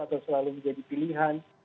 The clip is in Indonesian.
atau selalu menjadi pilihan